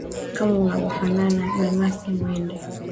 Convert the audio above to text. kama anavofafanua bi mercy mwende